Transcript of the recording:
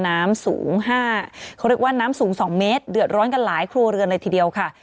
น้ำสูงห้าเขาเรียกว่าน้ำสูง๒เมตรเดือดร้อนกันหลายครัวเรือนเลยทีเดียวค่ะ